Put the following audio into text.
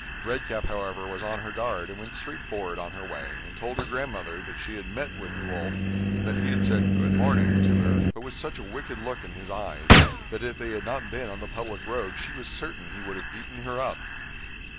Red Cap, however, was on her guard, and went straight forward on her way, and told her grandmother that she had met the wolf, and that he had said 'good morning' to her, but with such a wicked look in his eyes, that if they had not been on the public road she was certain he would have eaten her up.